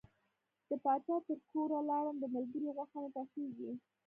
د پاچا تر کوره لاړم د ملګري غوښه مې پخیږي.